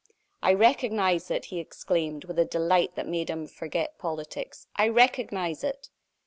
"I recognize it!" he exclaimed, with a delight that made him forget politics. "I recognize it!"